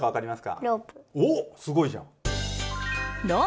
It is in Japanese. おっすごいじゃん。